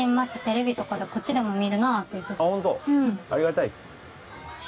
ありがたい。